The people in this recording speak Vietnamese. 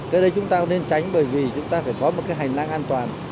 cái đấy chúng ta nên tránh bởi vì chúng ta phải có một cái hành lang an toàn